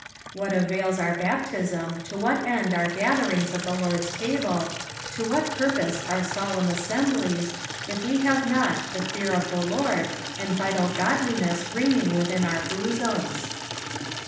What ftvails our baptism, to what end our gatherings at the Lord's table, to what purpose our solemn assemblies, if we have not the fear of the Lord, and vital godliness reigning within our bosoms